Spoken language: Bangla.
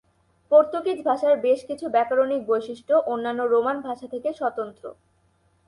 পর্তুগিজ ভাষার বেশ কিছু ব্যাকরণিক বৈশিষ্ট্য অন্যান্য রোমান ভাষা থেকে স্বতন্ত্র।